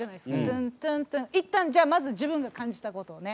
タンタンタンいったんじゃあまず自分が感じたことをね。